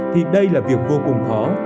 thì đây là việc vô cùng khó